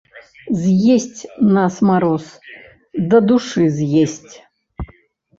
З'есць нас мароз, дадушы, з'есць.